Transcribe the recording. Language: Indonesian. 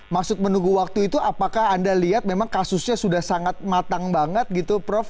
maksud menunggu waktu itu apakah anda lihat memang kasusnya sudah sangat matang banget gitu prof